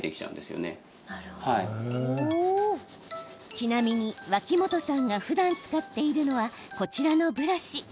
ちなみに脇本さんがふだん使っているのはこちらのブラシ。